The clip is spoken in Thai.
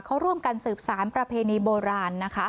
เขาร่วมกันสืบสารประเพณีโบราณนะคะ